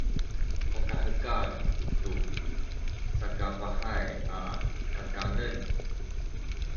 patahekal tu sakapahay a kakanen